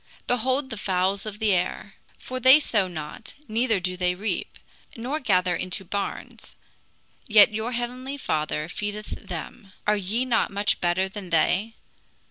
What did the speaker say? Behold the fouls of the air; for they sow not, neither do they reap, nor gather into barns; yet your heavenly Father feedeth them. Are ye not much better than they?